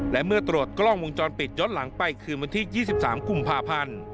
และเมื่อตรวจกล้องวงจรปิดย้อนหลังไปคืนวันที่๒๓กุมภาพันธ์